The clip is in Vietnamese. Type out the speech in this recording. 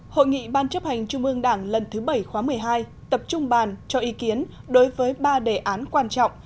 hội nghị ban chấp hành trung ương đảng lần thứ bảy khóa một mươi hai tập trung bàn cho ý kiến đối với ba đề án quan trọng